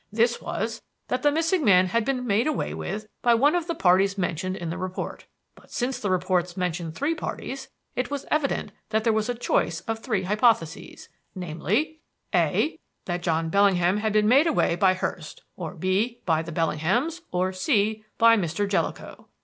This was that the missing man had been made away with by one of the parties mentioned in the report. But, since the reports mentioned three parties, it was evident that there was a choice of three hypotheses, namely: "(a) That John Bellingham had been made away with by Hurst; or (b) by the Bellinghams; or (c) by Mr. Jellicoe.